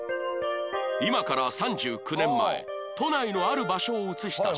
今から３９年前都内のある場所を写した写真